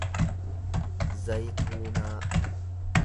zayituunaa